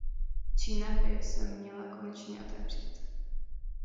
Čína by se měla konečně otevřít.